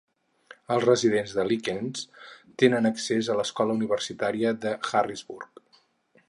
Els residents de Lykens tenen accés a l'Escola Universitària de Harrisburg.